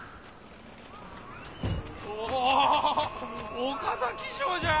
お岡崎城じゃ！